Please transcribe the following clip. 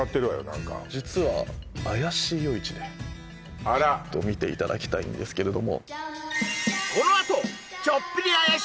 何か実はあらっ見ていただきたいんですけれど